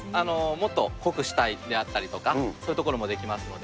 もっと濃くしたいであったりとか、そういうところもできますので。